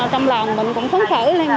trong lòng mình cũng thấm thở lên